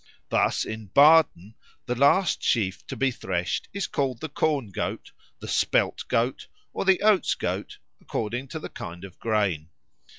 Thus in Baden the last sheaf to be threshed is called the Corn goat, the Spelt goat, or the Oats goat according to the kind of grain.